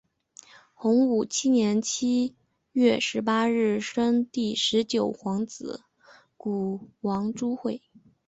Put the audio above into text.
洪武七年七月十八日生第十九皇子谷王朱橞。